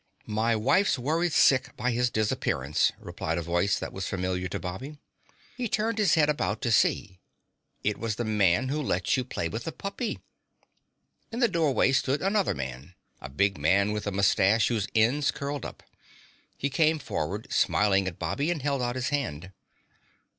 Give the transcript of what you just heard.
"My wife's worried sick by his disappearance," replied a voice that was familiar to Bobby. He turned his head about to see. It was the Man Who Lets You Play with the Puppy. In the doorway stood another man, a big man with a mustache whose ends curled up. He came forward, smiling at Bobby, and held out his hand.